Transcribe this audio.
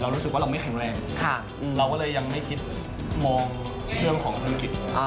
รู้สึกว่าเราไม่แข็งแรงเราก็เลยยังไม่คิดมองเรื่องของธุรกิจ